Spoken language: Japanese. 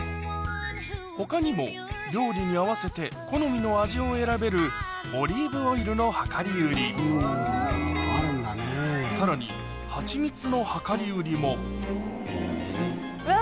他にも料理に合わせて好みの味を選べるオリーブオイルの量り売りさらにうわうわ